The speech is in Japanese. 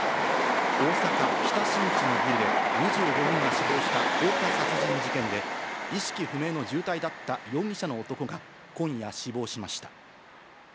大阪・北新地のビルで、２５人が死亡した放火殺人事件で、意識不明の重体だった容疑者の男が、今夜、死亡しました。